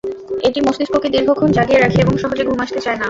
এটি মস্তিষ্ককে দীর্ঘক্ষণ জাগিয়ে রাখে এবং সহজে ঘুম আসতে চায় না।